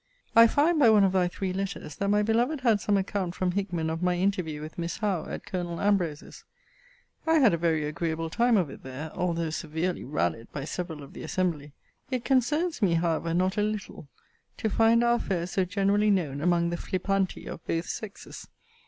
I find, by one of thy three letters, that my beloved had some account from Hickman of my interview with Miss Howe, at Col. Ambrose's. I had a very agreeable time of it there; although severely rallied by several of the assembly. It concerns me, however, not a little, to find our affair so generally known among the flippanti of both sexes.